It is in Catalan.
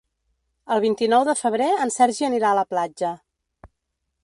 El vint-i-nou de febrer en Sergi anirà a la platja.